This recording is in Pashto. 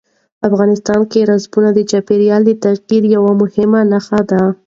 افغانستان کې رسوب د چاپېریال د تغیر یوه مهمه نښه ده.